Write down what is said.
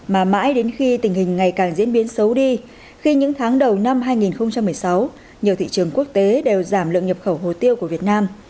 mà mãi đến khi tình hình ngày càng diễn biến xấu đi khi những tháng đầu năm hai nghìn một mươi sáu nhiều thị trường quốc tế đều giảm lượng nhập khẩu hồ tiêu của việt nam